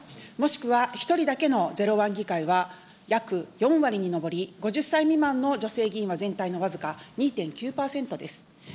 女性はゼロ、もしくは１人だけのゼロワン議会は約４割に上り、５０歳未満の女性議員は全体の僅か２．９％です。